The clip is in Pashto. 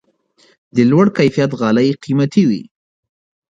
د لوړ کیفیت غالۍ قیمتي وي.